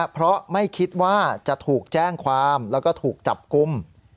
เพราะไม่คิดว่าจะถูกแจ้งความแล้วก็ถูกจับกลุ่ม